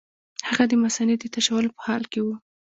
هغه د مثانې د تشولو په حال کې وو.